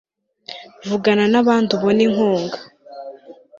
vugana nabandi ubone inkunga